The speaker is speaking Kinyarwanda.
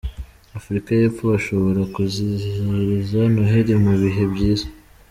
Afurika y’Epfo bashobora kuzizihiriza Noheli mu bihe byiza